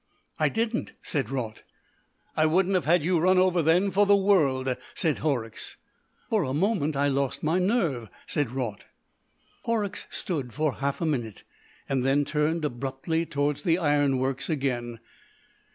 "I didn't," said Raut. "I wouldn't have had you run over then for the world," said Horrocks. "For a moment I lost my nerve," said Raut. Horrocks stood for half a minute, then turned abruptly towards the ironworks again.